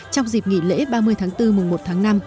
trong dịp nghỉ lễ ba mươi tháng bốn mùng một tháng năm